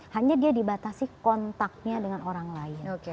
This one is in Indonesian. hanya dia dibatasi kontaknya dengan orang lain